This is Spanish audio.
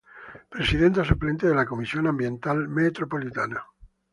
Presidenta Suplente de la Comisión Ambiental Metropolitana.